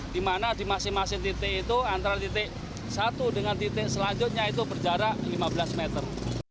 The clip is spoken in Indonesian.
di mana di masing masing titik itu antara titik satu dengan titik selanjutnya itu berjarak lima belas meter